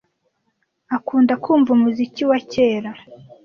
Akunda kumva umuziki wa kera.